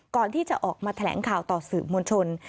ก่อนที่จะออกมาแถลงข่าวต่อสื่อมวลชน